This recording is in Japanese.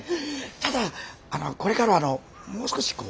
ただあのこれからはあのもう少しこう穏便に。